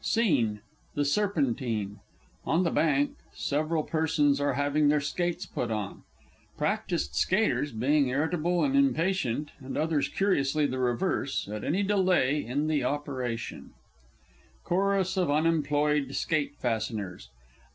SCENE _The Serpentine. On the bank, several persons are having their skates put on; practised Skaters being irritable and impatient, and others curiously the reverse, at any delay in the operation_. CHORUS OF UNEMPLOYED SKATE FASTENERS.